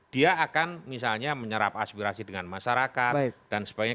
dia akan misalnya menyerap aspirasi dengan masyarakat dan sebagainya